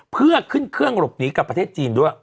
เพื่อขึ้นเครื่องหลบหนีกับประเทศจีนด้วย